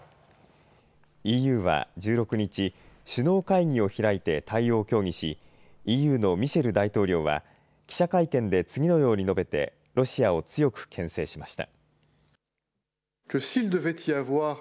ＥＵは１６日、首脳会議を開いて対応を協議し、ＥＵのミシェル大統領は、記者会見で次のように述べて、ロシアを強くけん制しました。